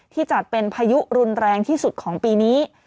จัดเป็นพายุรุนแรงที่สุดของปีนี้